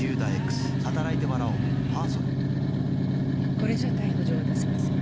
これじゃ逮捕状は出せません。